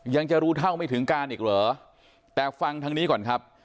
จะรู้เท่าไม่ถึงการอีกเหรอแต่ฟังทางนี้ก่อนครับ